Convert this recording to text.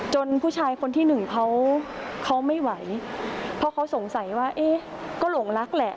ผู้ชายคนที่หนึ่งเขาเขาไม่ไหวเพราะเขาสงสัยว่าเอ๊ะก็หลงรักแหละ